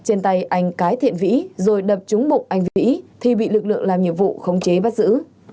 trên tay anh cái thiện vĩ rồi đập trúng bụng anh vĩ thì bị lực lượng làm nhiệm vụ khống chế bắt giữ